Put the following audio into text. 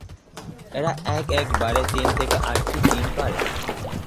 এরা এক এক বারে তিন থেকে আটটি ডিম পাড়ে।